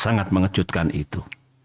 sangat mengejutkan itu